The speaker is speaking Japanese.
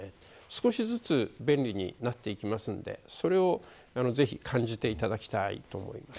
少しずつ便利になっていくのでそれをぜひ感じていただきたいと思います。